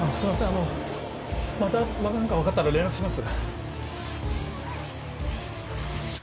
あのまた何か分かったら連絡します。